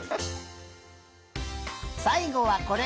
さいごはこれ。